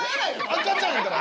赤ちゃんやから。